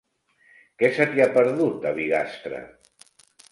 Què se t'hi ha perdut, a Bigastre?